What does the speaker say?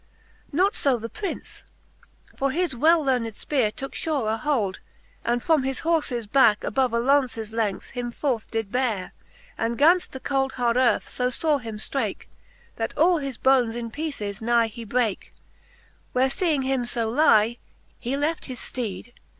XI. Not fo the Prince : for his well learned fpeare Tooke furer hould, andifrom his horles backe Above a launces length him forth did beare, And gainft the cold hard earth fo fore him ftrake. That all his bones in peeces nigh he brake. Where feeing him fo lie, he left his fteed.